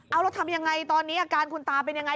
เอาแล้วทำยังไงตอนนี้อาการคุณตาเป็นยังไง